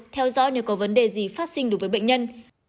theo dõi nếu có vấn đề gì phát sinh đối với bệnh nhân